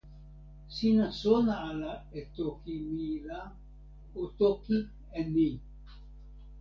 sina sona ala e toki mi la, o toki e ni.